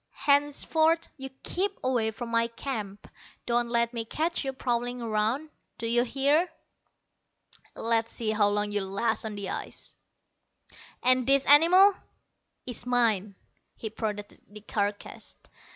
Henceforth you keep away from my camp. Don't let me catch you prowling around, d'you hear? Let's see how long you'll last on the ice!" "This animal is mine." He prodded the carcass.